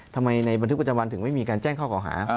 ทำไมในบันทึกปัจจันทร์วันถึงไม่มีการแจ้งข้อข่อหา